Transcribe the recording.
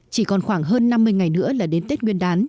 chỉ còn khoảng hơn năm mươi ngày nữa là đến tết nguyên đán